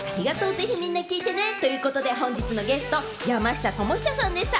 ぜひみんな聞いてね！ということで、本日のゲスト・山下智久さんでした。